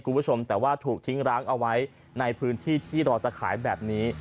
คุณผู้ชมแต่ว่าถูกทิ้งร้างเอาไว้ในพื้นที่ที่เราจะขายแบบนี้